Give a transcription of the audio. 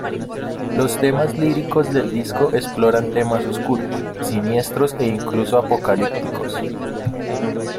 Los temas líricos del disco exploran temas oscuros, siniestros e incluso apocalípticos.